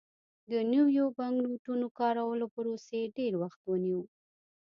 د نویو بانکنوټونو کارولو پروسې ډېر وخت ونیو.